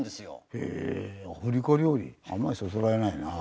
へえアフリカ料理あんまりそそられないなあ。